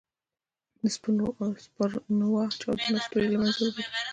د سپرنووا چاودنه ستوری له منځه وړي.